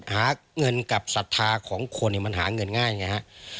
หาเงินกับศรัทธาของคนมันหาเงินง่ายอย่างนี้